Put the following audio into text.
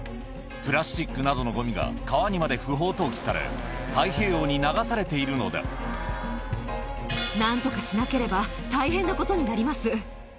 プラスチックなどのごみが川にまで不法投棄され、太平洋に流されなんとかしなければ、大変なことになります。